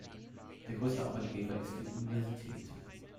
Der größte Arbeitgeber ist die Universität.